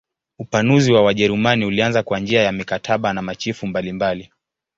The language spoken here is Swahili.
Upanuzi wa Wajerumani ulianza kwa njia ya mikataba na machifu mbalimbali.